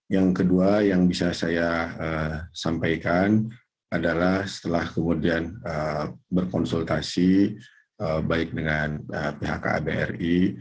yang kedua yang bisa saya sampaikan adalah setelah kemudian berkonsultasi baik dengan pihak kbri